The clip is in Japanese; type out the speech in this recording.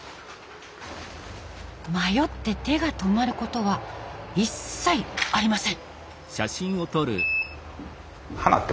迷って手が止まることは一切ありません。